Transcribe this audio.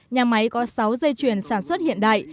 nhà máy có sáu dây chuyền sản xuất hiện đại